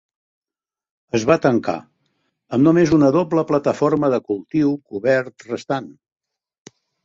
Es va tancar, amb només una doble plataforma de cultiu cobert restant.